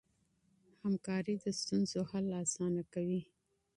همکاري د ستونزو حل اسانه کوي.